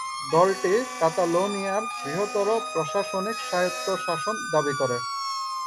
দলটি কাতালোনিয়ার বৃহত্তর প্রশাসনিক স্বায়ত্তশাসন দাবি করে।